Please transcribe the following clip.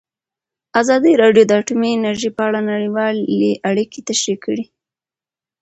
ازادي راډیو د اټومي انرژي په اړه نړیوالې اړیکې تشریح کړي.